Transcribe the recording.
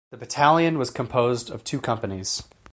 The battalion was composed of two companies.